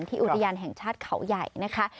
อุทยานแห่งชาติเขาใหญ่นะคะ